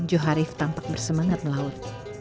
joharif tampak bersemangat melaut